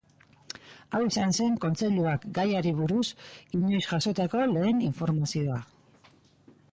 Hau izan zen kontseiluak gaiari buruz inoiz jasotako lehen informazioa.